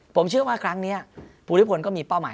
ผมเชื่อว่าครั้งนี้ภูมิพลก็มีเป้าหมาย